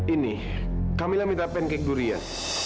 ini kamilah minta pancake durian